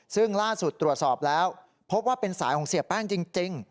ซึ่งล่าสุดตรวจสอบแล้วพบว่าเป็นสายของเสียแป้งจริง